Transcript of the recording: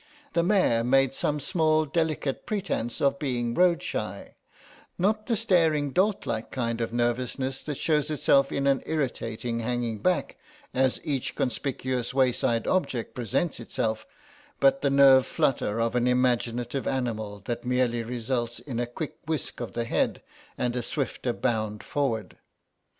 The mare made some small delicate pretence of being roadshy, not the staring dolt like kind of nervousness that shows itself in an irritating hanging back as each conspicuous wayside object presents itself, but the nerve flutter of an imaginative animal that merely results in a quick whisk of the head and a swifter bound forward.